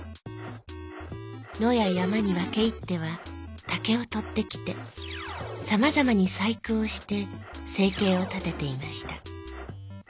野や山に分け入っては竹を取ってきてさまざまに細工をして生計を立てていました。